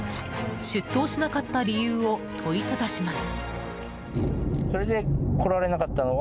出頭しなかった理由を問いただします。